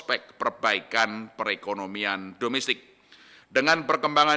perkembangan nilai tukar rupiah yang terjaga dan stabil didorong oleh peningkatan aliran masuk modal asing ke pasar keuangan global